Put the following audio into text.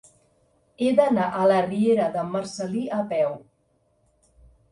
He d'anar a la riera de Marcel·lí a peu.